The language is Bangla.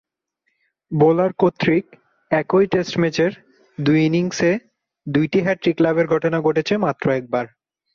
বোলার কর্তৃক একই টেস্ট ম্যাচের দুই ইনিংসে দুইটি হ্যাট্রিক লাভের ঘটনা ঘটেছে মাত্র একবার।